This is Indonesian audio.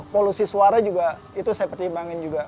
polusi suara juga itu saya pertimbangin juga